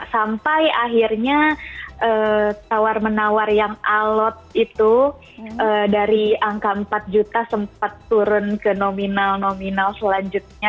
sampai akhirnya tawar menawar yang alot itu dari angka empat juta sempat turun ke nominal nominal selanjutnya